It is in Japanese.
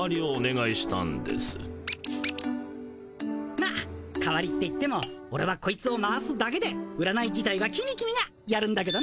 まっ代わりっていってもオレはこいつを回すだけで占い自体はキミキミがやるんだけどな。